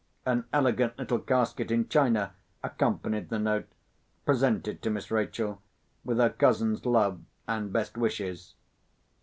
An elegant little casket in china accompanied the note, presented to Miss Rachel, with her cousin's love and best wishes.